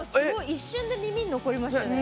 一瞬で耳に残りましたね。